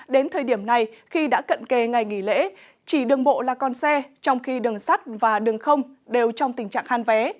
đến thời điểm này khi đã cận kề ngày nghỉ lễ chỉ đường bộ là con xe trong khi đường sắt và đường không đều trong tình trạng hàn vé